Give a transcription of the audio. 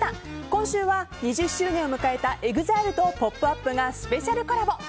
今週は２０周年を迎えたＥＸＩＬＥと「ポップＵＰ！」がスペシャルコラボ。